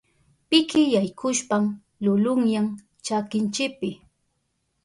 Piki yaykushpan lulunyan chakinchipi.